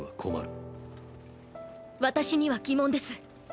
私には疑問です。